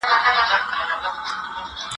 ولسي جرګي به د بهرنيو چارو وزير استيضاح کړی وي.